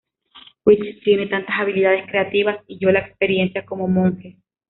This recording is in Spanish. Rich tiene tantas habilidades creativas, y yo la experiencia como monje.